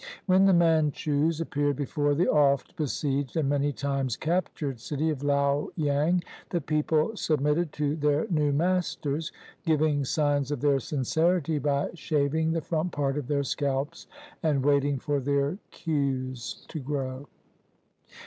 When the Manchus appeared before the oft besieged and many times captured city of Liao yang, the people submitted to their new masters, giving signs of their sincerity by shaving the front part of their scalps and waiting for their queues to grow.